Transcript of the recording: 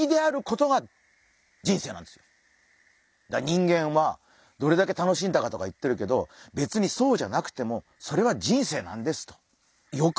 人間はどれだけ楽しんだかとか言ってるけど別にそうじゃなくてもそれは人生なんですと。